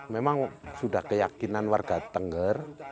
memang sudah keyakinan warga tengger